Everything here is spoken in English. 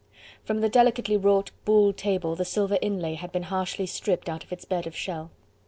From the delicately wrought Buhl table the silver inlay had been harshly stripped out of its bed of shell.